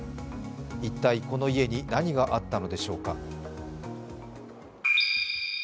一体この家に何があったのでしょうか。